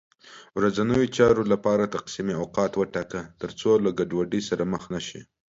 ورځنیو چارو لپاره تقسیم اوقات وټاکه، تر څو له ګډوډۍ سره مخ نه شې